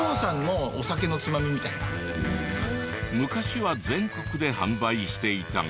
昔は全国で販売していたが。